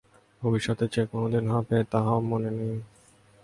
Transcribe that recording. ভবিষ্যতে যে কোনদিন হইবে, তাহাও মনে হয় না।